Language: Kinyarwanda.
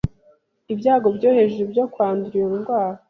ibyago byo hejuru byo kwandura iyo ndwara.